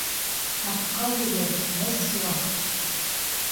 — Артҡа йүгер, Мессуа.